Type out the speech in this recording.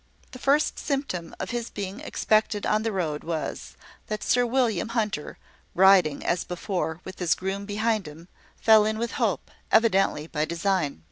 The first symptom of his being expected on the road was, that Sir William Hunter, riding, as before, with his groom behind him, fell in with Hope, evidently by design.